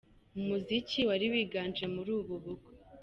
Umuziki wari wiganje muri ubu bukwe.